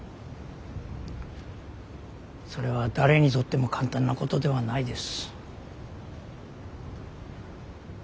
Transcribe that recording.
それは誰にとっても簡単なことではないです。